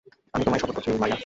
আমি তোমায় শপথ করছি, মারিয়া।